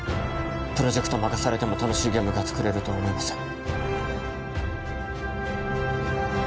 プロジェクトを任されても楽しいゲームが作れるとは思いません